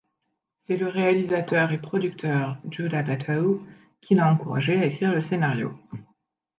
C'est le réalisateur et producteur Judd Apatow qui l'a encouragé à écrire le scénario.